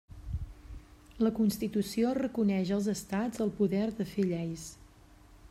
La Constitució reconeix als estats el poder de fer lleis.